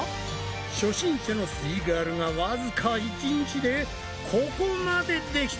初心者のすイガールがわずか１日でここまでできた！